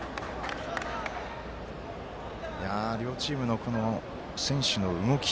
両チームの、選手の動き。